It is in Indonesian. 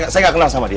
saya gak kenal sama dia